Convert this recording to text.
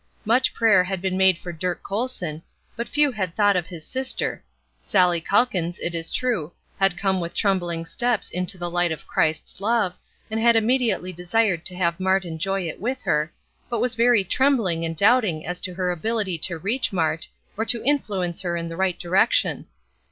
Much prayer had been made for Dirk Colson, but few had thought of his sister. Sallie Calkins, it is true, had come with trembling steps into the light of Christ's love, and had immediately desired to have Mart enjoy it with her, but was very trembling and doubting as to her ability to reach Mart, or to influence her in the right direction.